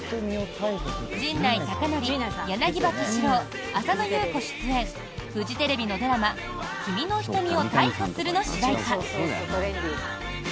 陣内孝則、柳葉敏郎浅野ゆう子出演フジテレビのドラマ「君の瞳をタイホする！」の主題歌。